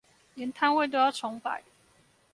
連攤位都要重擺